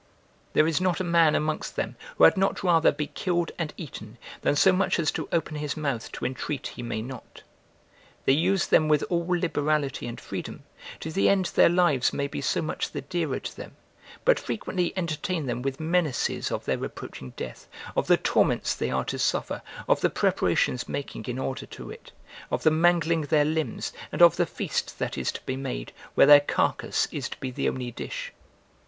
There is not a man amongst them who had not rather be killed and eaten, than so much as to open his mouth to entreat he may not. They use them with all liberality and freedom, to the end their lives may be so much the dearer to them; but frequently entertain them with menaces of their approaching death, of the torments they are to suffer, of the preparations making in order to it, of the mangling their limbs, and of the feast that is to be made, where their carcass is to be the only dish.